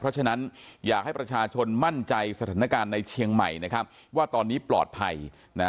เพราะฉะนั้นอยากให้ประชาชนมั่นใจสถานการณ์ในเชียงใหม่นะครับว่าตอนนี้ปลอดภัยนะ